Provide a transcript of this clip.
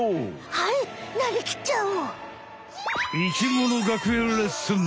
はいなりきっちゃおう！